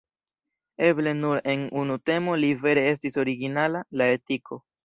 Eble nur en unu temo li vere estis originala: la etiko.